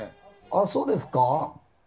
ああ、そうですか？